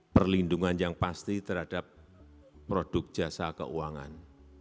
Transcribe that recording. perlindungan yang pasti terhadap produk jasa keuangan